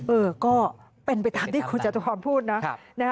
เออก็เป็นไปตามที่คุณจตุพรพูดนะ